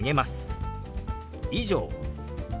「以上」。